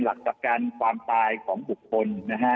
หลักจับการความตายของบุคคล